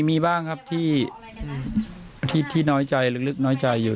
มีบ้างครับที่น้อยใจลึกน้อยใจอยู่